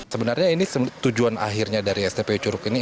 sebenarnya ini tujuan akhirnya dari sdpu curug ini